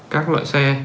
các loại xe